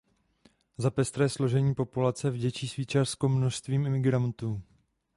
Za pestré složení populace vděčí Švýcarsko množství imigrantů.